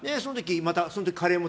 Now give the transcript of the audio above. その時、カレーも。